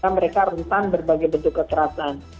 mereka rentan berbagai bentuk kekerasan